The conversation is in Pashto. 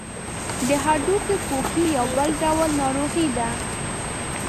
د هډوکو پوکی یو بل ډول ناروغي ده.